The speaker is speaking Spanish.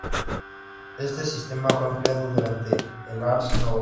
Este sistema fue ampliado durante el Ars Nova.